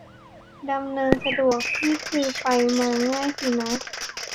ดำเนินสะดวก นี่คือไปมาง่ายสินะ